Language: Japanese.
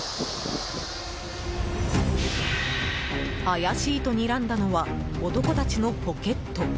怪しいとにらんだのは男たちのポケット。